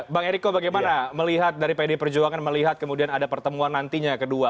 bang eriko bagaimana melihat dari pd perjuangan melihat kemudian ada pertemuan nantinya kedua